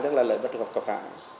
rất là lợi bất hợp cập hạ